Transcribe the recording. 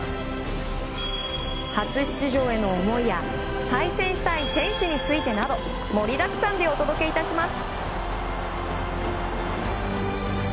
初出場への思いや対戦したい選手についてなど盛りだくさんでお届けいたします。